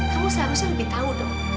kamu seharusnya lebih tahu dong